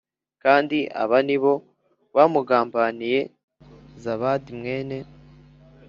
Kandi aba ni bo bamugambaniye zabadi mwene